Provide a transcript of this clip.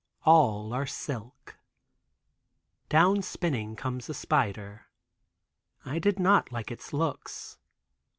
All are silk. Down spinning comes a spider. I did not like its looks.